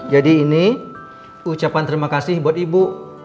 jadi ini ucapan terima kasih buat ibu